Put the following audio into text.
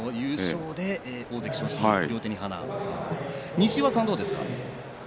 西岩さんは、どうですか。